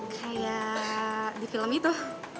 kayak di film itu